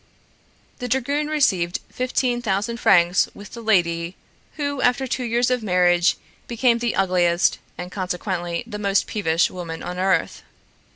The dragoon received fifteen thousand francs with the lady, who, after two years of marriage, became the ugliest and consequently the most peevish woman on earth.